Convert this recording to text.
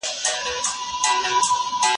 د غمو تر کيږدۍ لاندي